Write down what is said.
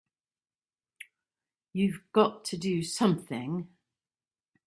You've got to do something!